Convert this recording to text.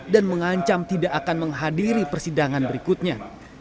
dan mengancam tidak akan menghadiri persidangan berikutnya